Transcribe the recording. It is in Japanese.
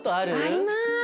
うん。